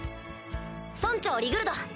村長リグルド！